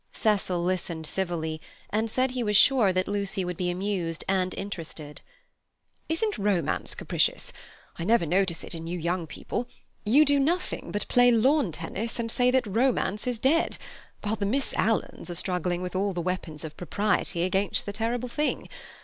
Cecil listened civilly, and said he was sure that Lucy would be amused and interested. "Isn't Romance capricious! I never notice it in you young people; you do nothing but play lawn tennis, and say that romance is dead, while the Miss Alans are struggling with all the weapons of propriety against the terrible thing.